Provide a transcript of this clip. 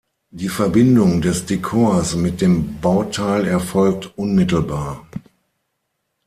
Die Verbindung des Dekors mit dem Bauteil erfolgt unmittelbar.